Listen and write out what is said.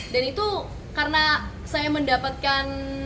dan itu karena saya mendapatkan